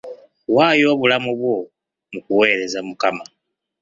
Waayo obulamu bwo mu kuweereza Mukama.